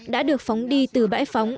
đã được phóng đi từ bãi phóng